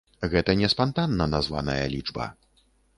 Гэта не спантанна названая лічба.